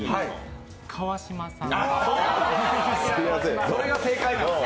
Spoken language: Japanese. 川島さん。